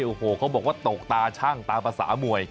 โอ้โหเขาบอกว่าตกตาชั่งตามภาษามวย